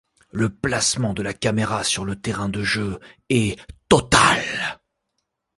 Le placement de la caméra sur le terrain de jeu est total.